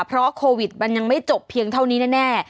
เพราะโควิดมันยังไม่จบเพียงเท่านี้แน่